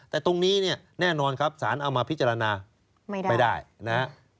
แต่ตรงนี้เนี่ยแน่นอนครับสารเอามาพิจารณาไม่ได้นะฮะ